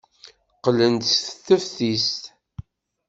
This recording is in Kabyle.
Qqlen-d seg teftist.